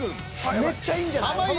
めっちゃいいんじゃない？